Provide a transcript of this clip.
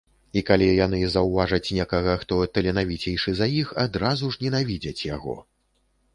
І калі яны заўважаць некага, хто таленавіцейшы за іх, адразу ж ненавідзяць яго!